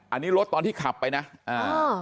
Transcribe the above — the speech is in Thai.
อันนี้รถตอนที่ขับไปนะอ่า